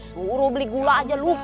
suruh beli gula aja lu